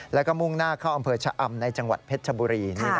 แล้วก็มุ่งหน้าเข้าอำเภอชะอำในจังหวัดเพชรชบุรี